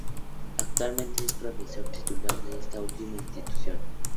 Actualmente, es profesor titular de esta última institución.